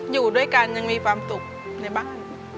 อยู่ด้วยกันยังมีความสุขในบ้าน